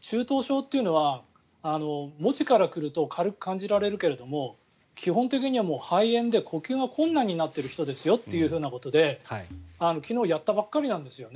中等症というのは文字から来ると軽く感じられるけれども基本的にはもう肺炎で呼吸が困難になっている人ですよということで昨日やったばっかりなんですよね